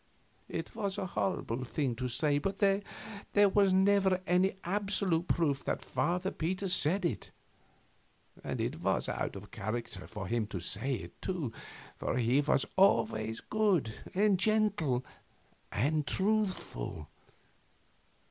It was a horrible thing to say, but there was never any absolute proof that Father Peter said it; and it was out of character for him to say it, too, for he was always good and gentle and truthful.